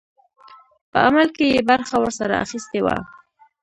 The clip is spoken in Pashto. په عمل کې یې برخه ورسره اخیستې وه.